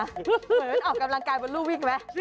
เหมือนออกกำลังกายบนรูวิ่งไหม